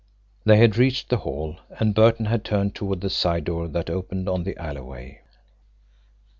They had reached the hall, and Burton had turned toward the side door that opened on the alleyway.